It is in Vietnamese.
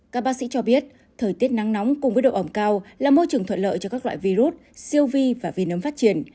các bác sĩ cho biết thời tiết nắng nóng cùng với độ ẩm cao là môi trường thuận lợi cho các loại virus siêu vi và vi nấm phát triển